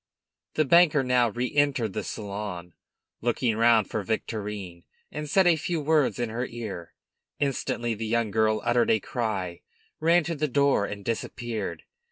The banker now re entered the salon, looked round for Victorine, and said a few words in her ear. Instantly the young girl uttered a cry, ran to the door, and disappeared.